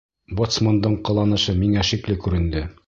Боцмандың ҡыланышы миңә шикле күренде.